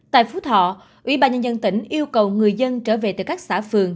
tại phú thọ ủy ban nhân dân tỉnh yêu cầu người dân trở về từ các xã phường